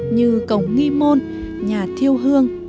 như cổng nghi môn nhà thiêu hương